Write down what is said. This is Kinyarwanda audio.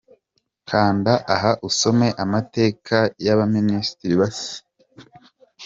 Kanda aha usome amateka y’aba ba minisitiri bashya.